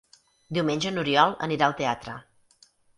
Diumenge n'Oriol anirà al teatre.